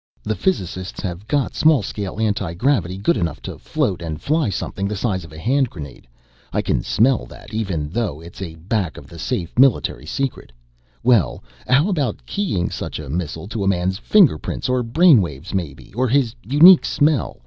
The physicists have got small scale antigravity good enough to float and fly something the size of a hand grenade. I can smell that even though it's a back of the safe military secret. Well, how about keying such a missile to a man's finger prints or brainwaves, maybe, or his unique smell!